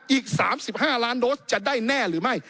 อีก๓๕ล้านโดสจะได้แน่หรือไม่